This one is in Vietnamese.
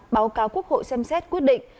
báo cáo quốc hội xem xét quyết định